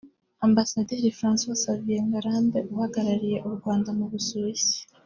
Ambasaderi François Xavier Ngarambe uhagarariye u Rwanda mu Busuwisi